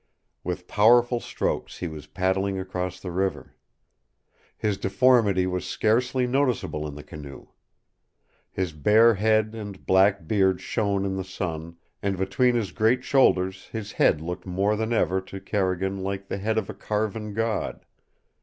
With powerful strokes he was paddling across the river. His deformity was scarcely noticeable in the canoe. His bare head and black beard shone in the sun, and between his great shoulders his head looked more than ever to Carrigan like the head of a carven god.